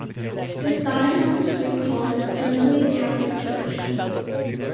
The sign on the street calls it simply Catholic Church.